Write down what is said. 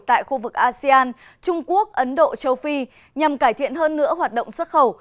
tại khu vực asean trung quốc ấn độ châu phi nhằm cải thiện hơn nữa hoạt động xuất khẩu